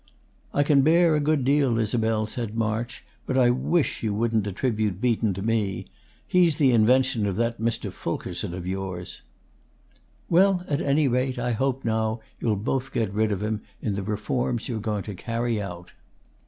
"I can bear a good deal, Isabel," said March, "but I wish you wouldn't attribute Beaton to me. He's the invention of that Mr. Fulkerson of yours." "Well, at any rate, I hope, now, you'll both get rid of him, in the reforms you're going to carry out."